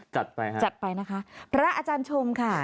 จัดไปค่ะจัดไปนะคะพระอาจารย์ชมค่ะ